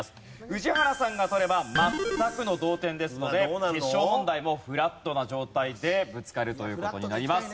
宇治原さんが取れば全くの同点ですので決勝問題もフラットな状態でぶつかるという事になります。